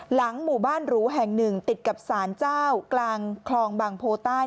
หลังหมู่บ้านหรูแห่งหนึ่งติดกับสารเจ้ากลางคลองบางโพใต้